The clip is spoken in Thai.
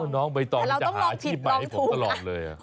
น้องไม่ต้องจะหาอาชีพให้ผมลองเลยอ่ะแต่เราต้องลองผิดลองถูก